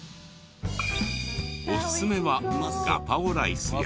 おすすめはガパオライスや。